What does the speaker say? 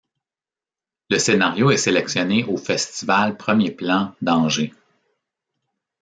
Le scénario est sélectionné au Festival Premier Plans d'Angers.